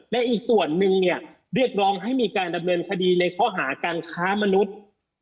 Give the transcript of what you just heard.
และอีกส่วนนึงเนี่ยเรียกร้องให้มีการดำเนินคดีในข้อหาการค้ามนุษย์